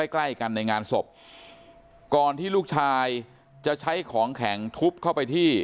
ใกล้กันในงานศพก่อนที่ลูกชายจะใช้ของแข็งทุบเข้าไปที่